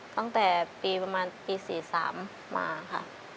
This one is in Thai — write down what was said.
ตั้งแต่ปีประมาณปี๔๓มาค่ะ